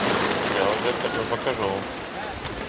Я вже себе покажу!